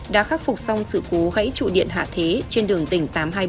đã khắc phục xong sự cố gãy trụ điện hạ thế trên đường tỉnh tám trăm hai mươi bảy